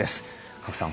賀来さん